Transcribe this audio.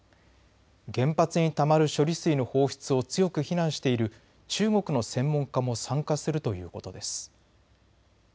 原発にたまる処理水の放出を強く非難している中国の専門家も参加するということです。